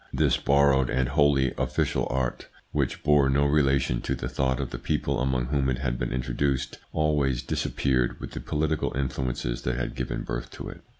This borrowed and wholly official art, which bore no relation to the thought of the people among whom it had been introduced, always disappeared with the political influences that had given birth to it.